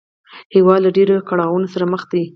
هېواد له ډېرو کړاوونو سره مخ دی